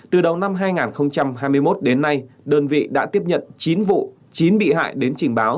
từ đầu năm hai nghìn hai mươi một đến nay đơn vị đã tiếp nhận chín vụ chín bị hại đến trình báo